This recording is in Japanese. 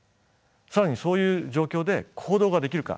更にそういう状況で行動ができるか。